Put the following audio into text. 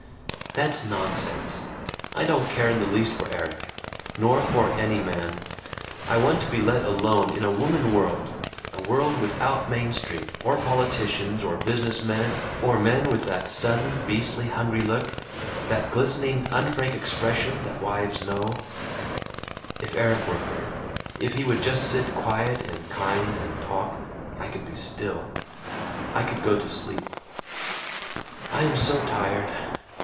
"That's nonsense! I don't care in the least for Erik! Not for any man. I want to be let alone, in a woman world a world without Main Street, or politicians, or business men, or men with that sudden beastly hungry look, that glistening unfrank expression that wives know "If Erik were here, if he would just sit quiet and kind and talk, I could be still, I could go to sleep. "I am so tired.